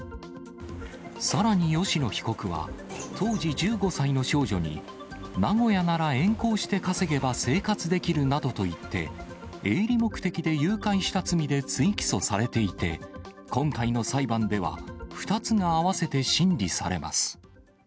さらに吉野被告は、当時１５歳の少女に、名古屋なら援交して稼げば生活できるなどと言って、営利目的で誘拐した罪で追起訴されていて、今回の裁判では、２つがあわせて審理されます。